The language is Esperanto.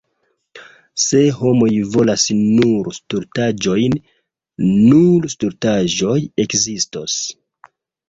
Se homoj volas nur stultaĵojn, nur stultaĵoj ekzistos.